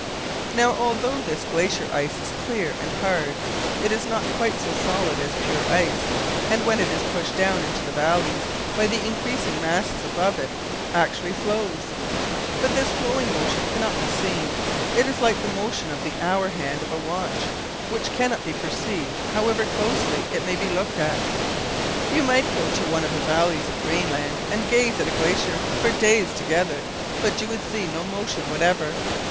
Now, although this glacier ice is clear and hard, it is not quite so solid as pure ice, and when it is pushed down into the valleys by the increasing masses above it, actually flows. But this flowing motion cannot be seen. It is like the motion of the hour hand of a watch, which cannot be perceived however closely it may be looked at. You might go to one of the valleys of Greenland and gaze at a glacier for days together, but you would see no motion whatever.